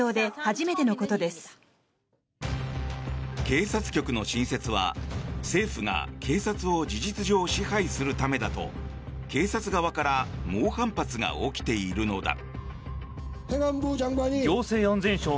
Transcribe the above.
警察局の新設は政府が警察を事実上支配するためだと警察側から猛反発が起きているのだ。